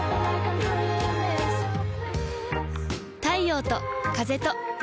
太陽と風と